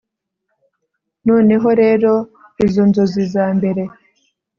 Noneho rero izo nzozi za mbere